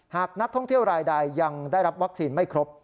หากนักท่องเที่ยวรายใดยังได้รับวัคซีนไม่ครบ